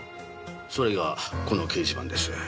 それがこの掲示板です。